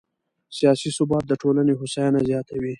سیاسي ثبات د ټولنې هوساینه زیاتوي